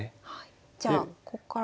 じゃあこっから。